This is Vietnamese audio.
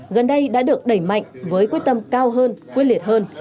gần đây đã được đẩy mạnh với quyết tâm cao hơn quyết liệt hơn